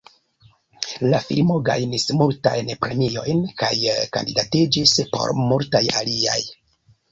La filmo gajnis multajn premiojn, kaj kandidatiĝis por multaj aliaj.